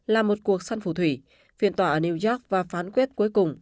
là một cuộc săn phù thủy phiền tỏa ở new york và phán quyết cuối cùng